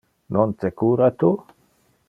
Non te cura tu?